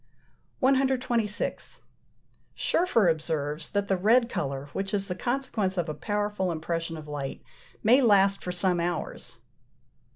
126. Scherfer observes that the red colour, which is the consequence of a powerful impression of light, may last for some hours.